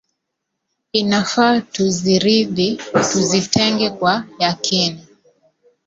Inafaa tuziridhi, tuzitende kwa yakini